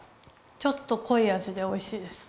ちょっとこい味でおいしいです。